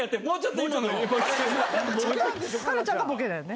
香菜ちゃんがボケだよね。